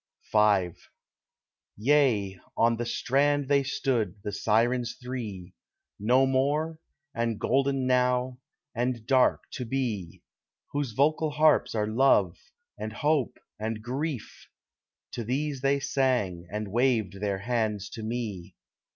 V Yea, on the strand they stood, the Sirens three— No More, and golden Now, and dark To be, Whose vocal harps are love, and hope, and grief; To these they sang, and waved their hands to me.